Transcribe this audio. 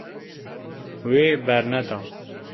Wê berneda.